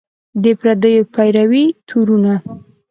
د پردیو پیروۍ تورونه